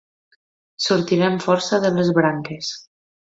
Sortiré amb força de les branques.